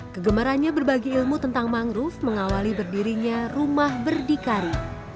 kegemarannya berbagi ilmu tentang mangrove mengawali berdirinya rumah berdikari